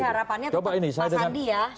jadi harapannya tetap pak sandi ya